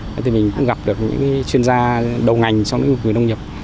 thế thì mình cũng gặp được những chuyên gia đầu ngành trong lĩnh vực về nông nghiệp